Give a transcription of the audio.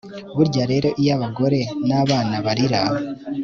burya rero iyo abagore n'abana barira